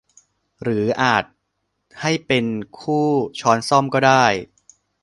หรืออาจให้เป็นคู่ช้อนส้อมก็ได้